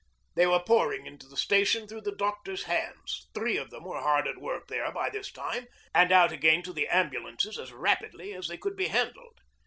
They were pouring into the station through the doctors' hands three of them were hard at work there by this time and out again to the ambulances as rapidly as they could be handled.